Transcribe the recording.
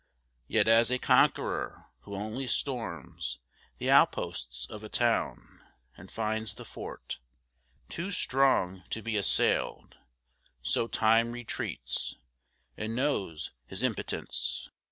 Yet as a conqueror who only storms The outposts of a town, and finds the fort Too strong to be assailed, so time retreats And knows his impotence.